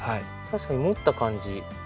確かに持った感じ。